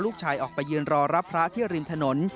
ลูกชายออกไปยืนรอรับพระที่ริมถนน